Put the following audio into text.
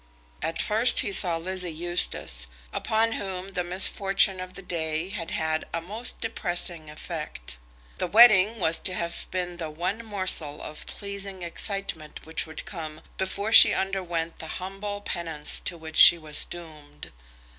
At first he saw Lizzie Eustace, upon whom the misfortune of the day had had a most depressing effect. The wedding was to have been the one morsel of pleasing excitement which would come before she underwent the humble penance to which she was doomed.